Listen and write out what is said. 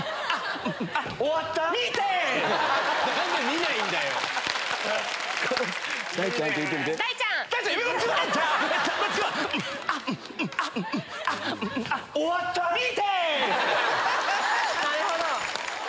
なるほど！